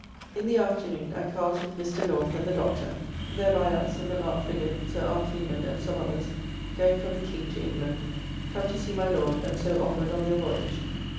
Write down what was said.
In the afternoon at cards with Mr. North and the Doctor. [Clarke] There by us, in the Lark frigate, Sir R. Freeman and some others, going from the King to England, come to see my Lord and so onward on their voyage.